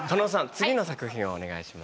次の作品をお願いします。